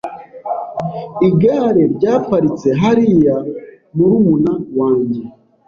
Igare ryaparitse hariya murumuna wanjye .